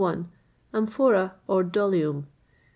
Amphora, or Dolium.